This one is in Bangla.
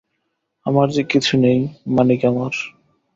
আমার যে কিছু নেই, মানিক আমার!